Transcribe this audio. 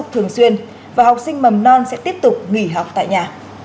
truyền và học sinh mầm non sẽ tiếp tục nghỉ học tại nhà